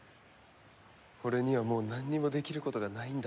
俺にはもうなんにもできることがないんだ。